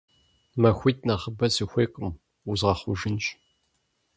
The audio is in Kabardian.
МахуитӀ нэхъыбэ сыхуейкъым, узгъэхъужынщ.